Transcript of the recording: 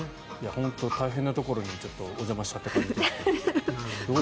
本当、大変なところにお邪魔しちゃったと。